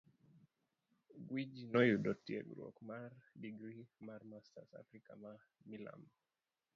Gwiji noyudo tiegruok mar digri mar masters Africa ma Milambo.